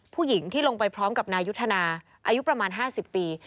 ผู้หญิงที่ลงไปพร้อมกับนายุทธนาอายุประมาณ๕๐ปี